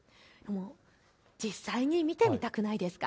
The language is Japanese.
実際に見てみたくないですか？